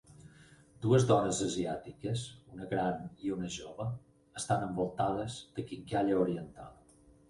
Dues dones asiàtiques, una gran i una jove, estan envoltades de quincalla oriental.